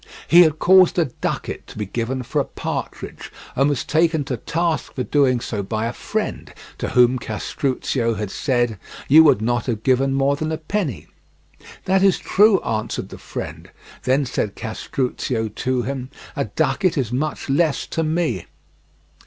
He had caused a ducat to be given for a partridge, and was taken to task for doing so by a friend, to whom Castruccio had said: "You would not have given more than a penny." "That is true," answered the friend. Then said Castruccio to him: "A ducat is much less to me."